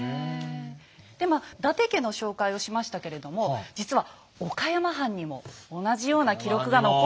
でまあ伊達家の紹介をしましたけれども実は岡山藩にも同じような記録が残っていたんですよ。